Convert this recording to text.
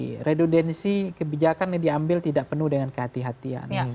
jadi redundansi kebijakan ini diambil tidak penuh dengan kehatian